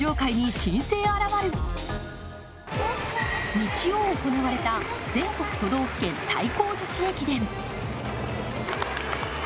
日曜行われた全国都道府県対抗女子駅伝。